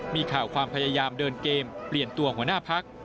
มีข่าวความพยายามเดินเกมเปลี่ยนตัวหัวหน้าพัก